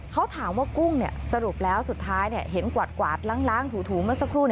เขาถามว่ากุ้งสรุปแล้วสุดท้ายเห็นกวาดล้างถูเมื่อสักครู่